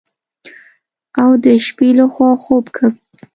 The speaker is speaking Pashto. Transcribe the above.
او د شپې لخوا خوب کوي.